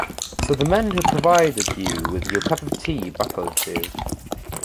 So the men who provided you with your cup of tea buckled to.